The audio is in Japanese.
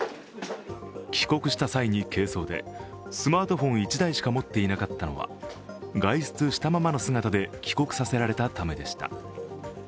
帰国した際に軽装でスマートフォン１台しか持っていなかったのは外出したままの姿で帰国させられたためでした。